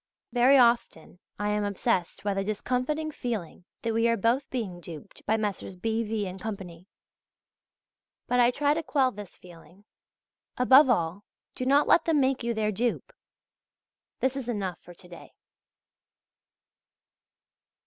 Very often I am obsessed by the discomfiting feeling that we are both being duped by Messrs. B. V. and Co. But I try to quell this feeling.{Z} Above all, do not let them make you their dupe.... This is enough for to day.